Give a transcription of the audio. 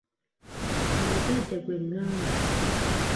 Omuzadde ggwe ngamba.